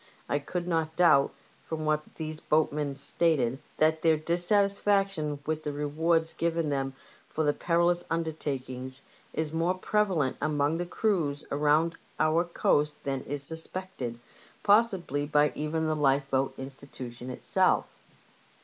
I could not doubt, from what these boatmen stated, that their dissatisfaction with the rewards given them for their perilous undertakings is more prevalent among the crews around our coast than is suspected, possibly by even the Lifeboat Institution itself.